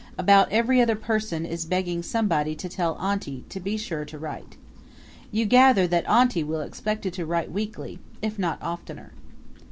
About every other person is begging somebody to tell auntie to be sure to write. You gather that auntie will be expected to write weekly, if not oftener.